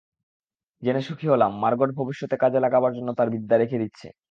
জেনে সুখী হলাম, মার্গট ভবিষ্যতে কাজে লাগাবার জন্য তার বিদ্যা রেখে দিচ্ছে।